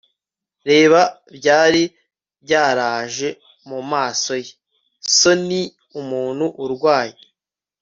reba byari byaraje mumaso ye. so ni umuntu urwaye